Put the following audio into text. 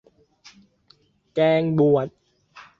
แกงบวด